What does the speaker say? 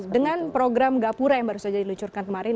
dengan program gapura yang baru saja diluncurkan kemarin